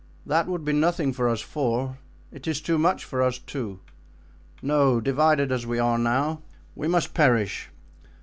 "That would be nothing for us four; it is too much for us two. No, divided as we now are, we must perish.